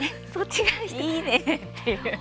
いいねっていう。